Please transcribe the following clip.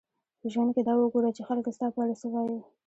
په ژوند کښي دا وګوره، چي خلک ستا په اړه څه وايي.